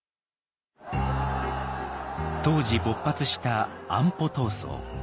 当時勃発した安保闘争。